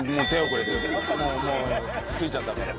もうついちゃったから。